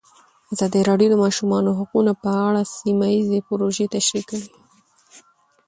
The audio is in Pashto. ازادي راډیو د د ماشومانو حقونه په اړه سیمه ییزې پروژې تشریح کړې.